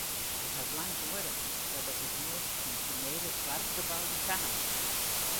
It hat lang duorre foardat it multyfunksjonele soarchgebou der kaam.